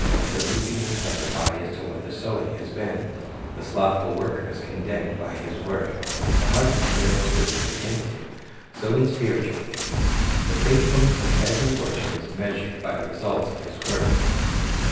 The reaping will testify as to what the sowing has been. The slothful worker is condemned by his work. The harvest bears witness against him. So in spiritual things : the faithfulness of every worker is measured by the results of his work.